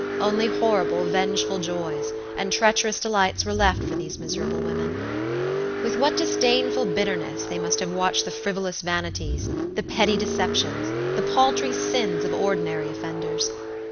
Only horrible, vengeful joys, and treacherous delights were left for these miserable women. With what disdainful bitterness they must have watched the frivolous vanities, the petty deceptions, the paltry sins of ordinary offenders.